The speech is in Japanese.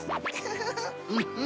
フフフフ。